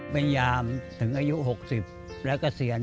พยายามถึงอายุ๖๐แล้วก็เซียน